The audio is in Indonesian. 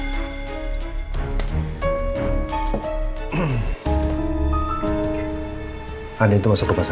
bu andin tuh masuk rumah sadit